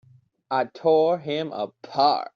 I tore him apart!